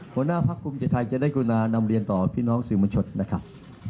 หัวหน้าภารกรุงจิทัยจะได้กลุ่นานำเรียนต่อพี่น้องสึมรชชดนะครับ